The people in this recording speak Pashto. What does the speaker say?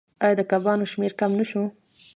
آیا د کبانو شمیر کم نشو؟